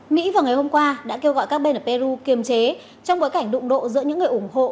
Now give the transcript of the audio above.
mỹ vào ngày hôm qua đã kêu gọi các bên ở peru kiềm chế trong bối cảnh đụng độ giữa những người ủng hộ